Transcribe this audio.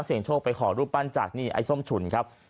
เสียงโชคไปขอรูปปั้นจากนี่ไอ้ส้มฉุนครับ